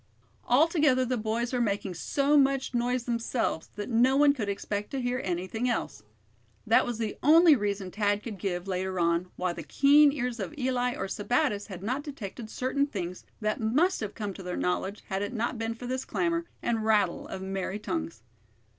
Altogether the boys were making so much noise themselves that no one could expect to hear anything else. That was the only reason Thad could give, later on, why the keen ears of Eli or Sebattis had not detected certain things that must have come to their knowledge had it not been for this clamor, and rattle of merry tongues.